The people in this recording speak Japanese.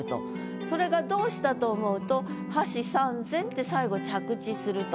それがどうしたと思うと「箸三膳」って最後着地すると。